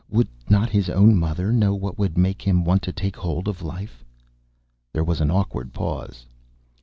"Would not his own mother know what would make him want to take hold on life?" There was an awkward pause.